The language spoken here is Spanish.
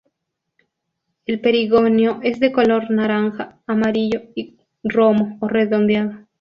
El perigonio es de color naranja amarillo y romo o redondeado.